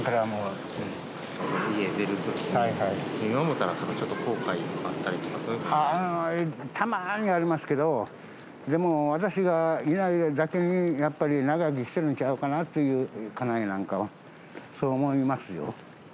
家出るときに、今思うたら、たまにありますけど、でも、私がいないだけにやっぱり、長生きしてるんちゃうかなって、家内なんかは、そう思いますよ。